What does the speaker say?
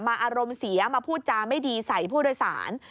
อารมณ์เสียมาพูดจาไม่ดีใส่ผู้โดยสาร